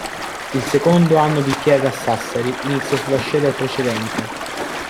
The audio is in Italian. Il secondo anno di Pierre a Sassari inizia sulla scia del precedente.